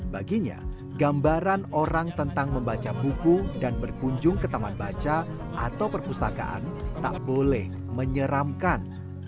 baginya gambaran orang tentang membaca buku dan berkunjung ke taman baca atau perpustakaan tak boleh menyeramkan